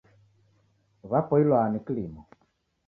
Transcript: W'apoilwa ni kilimo